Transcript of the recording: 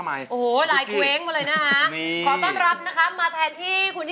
หูหลายกว้นมาเลยนะคะ